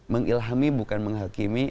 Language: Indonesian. mengilhami bukan menghakimi